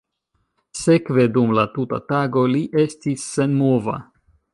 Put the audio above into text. Sekve dum la tuta tago li estis senmova.